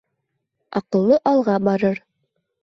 Аҡыллы алға барыр